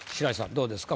どうですか？